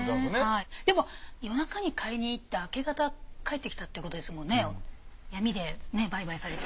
でも夜中に買いにいって明け方帰ってきたってことですもんね。